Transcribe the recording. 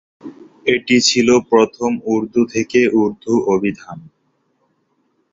এটি ছিল প্রথম উর্দু থেকে উর্দু অভিধান।